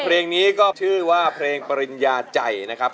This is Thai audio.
เพลงนี้ก็ชื่อว่าเพลงปริญญาใจนะครับ